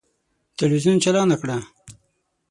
تلویزون چالانه کړه!